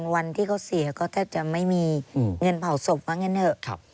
วันที่เขาเสียก็แทบจะไม่มีเงินเผาศพว่างั้นเถอะ